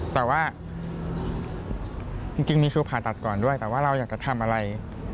แต่ว่าจริงมีคิวผ่าตัดก่อนด้วยแต่ว่าเราอยากจะทำอะไร